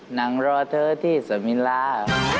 นั่งรอเธอที่สมิลา